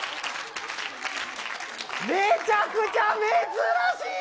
めちゃくちゃ珍しい。